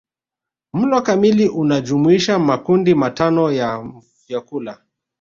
Mlo kamili unajumuisha makundi matano ya vyakula